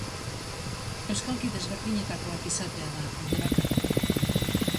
Euskalki desberdinetakoak izatea da alde bakarra.